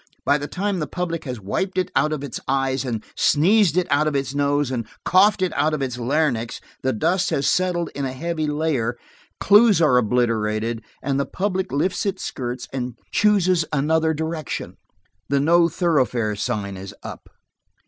By the time the public has wiped it out of its eyes and sneezed it out of its nose and coughed it out of its larynx, the dust has settled in a heavy layer, clues are obliterated, and the public lifts its skirts and chooses another direction. The 'no thoroughfare' sign is up."